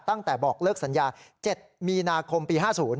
ตั้งแต่บอกเลิกสัญญา๗มีนาคมปี๕๐